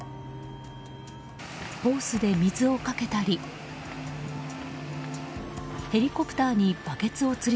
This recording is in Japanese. ホースで水をかけたり。